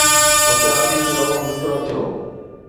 رپيا في ڪلو وڪرو ٿيو